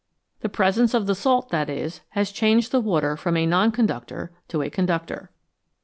The presence of the salt, that is, has changed the water from a non conductor to a conductor.